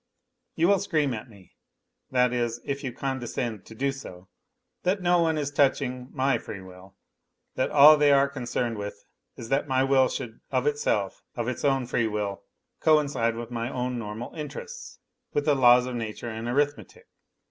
You will scream at me (that is, if you condescend to do so) that no one is touching my free will, that all they are concerned with is that my will should of itself, of its own free will, coincide with my own normal interests, with the laws of nature and arithmetic.